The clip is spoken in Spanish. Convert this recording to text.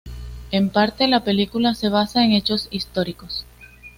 En parte la película se basa en hechos históricos.